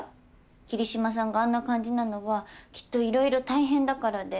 桐島さんがあんな感じなのはきっと色々大変だからで。